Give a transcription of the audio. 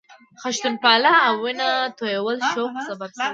خشونتپالنه او وینه تویولو شوق سبب شوی.